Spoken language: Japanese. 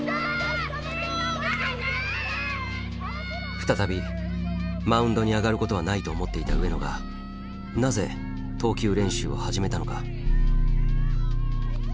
再びマウンドに上がることはないと思っていた上野がなぜ投球練習を始めたのか。